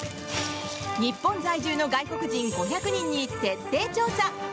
日本在住の外国人５００人に徹底調査。